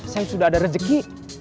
saya sudah ada rezeki